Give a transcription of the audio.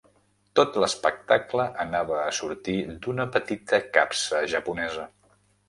Tot l'espectacle anava a sortir d'una petita capsa japonesa.